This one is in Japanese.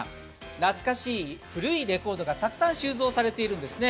懐かしい古いレコードがたくさん収蔵されているんですね。